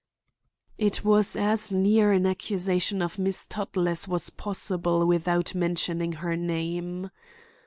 It was as near an accusation of Miss Tuttle as was possible without mentioning her name.